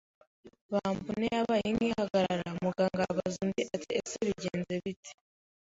bombone yabaye nk’ihagarara umuganga abaza undi ati ese bigenze bite?